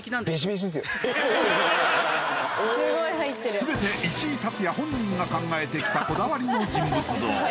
全て石井竜也本人が考えてきたこだわりの人物像